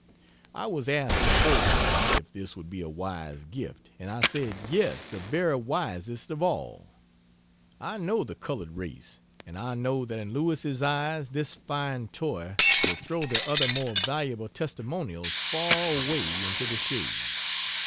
I was asked beforehand, if this would be a wise gift, and I said "Yes, the very wisest of all;" I know the colored race, and I know that in Lewis's eyes this fine toy will throw the other more valuable testimonials far away into the shade.